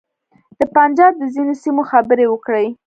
د پنجاب د ځینو سیمو خبرې وکړې.